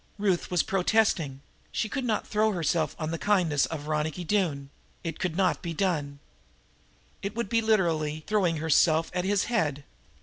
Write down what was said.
Ruth was protesting she could not throw herself on the kindness of Ronicky Doone it could not be done. It would be literally throwing herself at his head.